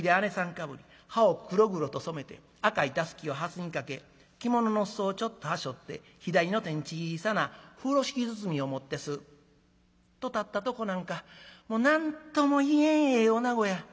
かぶり歯を黒々と染めて赤いタスキをはすにかけ着物の裾をちょっとはしょって左の手に小さな風呂敷包みを持ってスッと立ったとこなんかもう何とも言えんええおなごや。